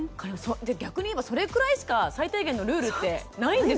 逆に言えばそれくらいしか最低限のルールってないんですね。